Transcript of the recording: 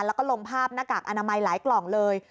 แล้วก็ลงภาพหน้ากากอนามัยหลายกล่องเลย